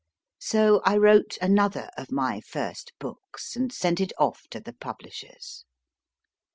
So I wrote another of my first books and sent it off to the publishers.